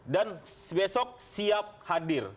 dan besok siap hadir